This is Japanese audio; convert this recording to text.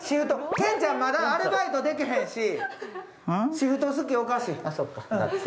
ケンちゃんまだアルバイトできへんし、シフト好き、おかしい。